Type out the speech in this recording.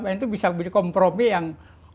itu bisa kompromi yang